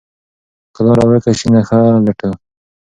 که لاره ورکه شي، نښه لټو.